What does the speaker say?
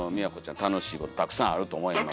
楽しいことたくさんあると思いますので。